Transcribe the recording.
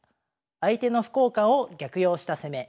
「相手の歩交換を逆用した攻め」。